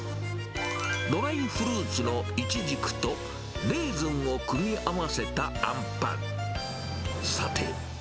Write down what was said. ドライフルーツのイチジクとレーズンを組み合わせたあんパン。